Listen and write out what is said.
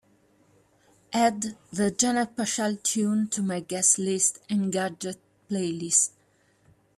Add the Janet Paschal tune to my guest list engadget playlist.